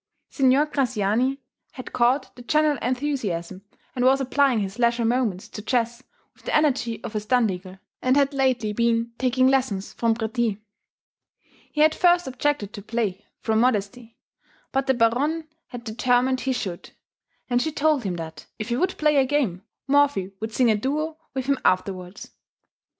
Signor Graziani had caught the general enthusiasm, and was applying his leisure moments to chess with the energy of a Standigl, and had lately been taking lessons from Préti. He at first objected to play, from modesty, but the Baronne had determined he should, and she told him that, if he would play a game, Morphy would sing a duo with him afterwards.